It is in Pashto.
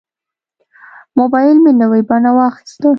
موبایل مې نوې بڼه واخیسته.